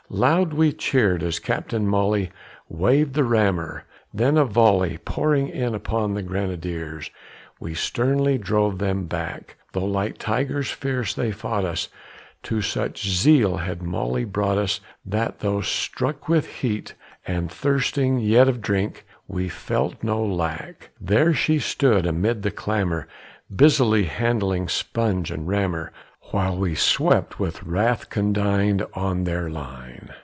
Loud we cheered as Captain Molly waved the rammer; then a volley Pouring in upon the grenadiers, we sternly drove them back; Though like tigers fierce they fought us, to such zeal had Molly brought us That, though struck with heat, and thirsting, yet of drink we felt no lack: There she stood amid the clamor, busily handling sponge and rammer, While we swept with wrath condign on their line.